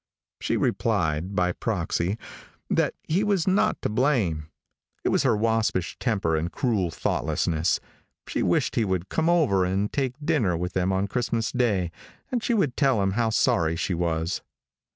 She replied by proxy that he was not to blame. It was her waspish temper and cruel thoughtlessness. She wished he would come over and take dinner with them on Christmas day and she would tell him how sorry she was.